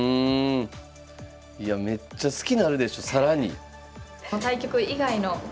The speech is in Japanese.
いやめっちゃ好きなるでしょ更に。